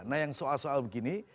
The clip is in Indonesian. nah yang soal soal begini